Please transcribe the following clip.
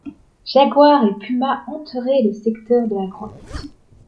Jaguar et Puma hanteraient le secteur de la grotte.